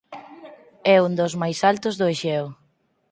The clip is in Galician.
É un dos máis altos do Exeo.